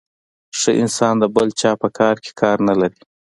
ښه انسان د بل چا په کار کي کار نلري .